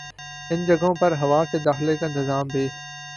ان جگہوں پر ہوا کے داخلے کا انتظام بھی